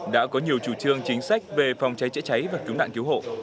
đã có nhiều chủ trương chính sách về phòng cháy chữa cháy và cứu nạn cứu hộ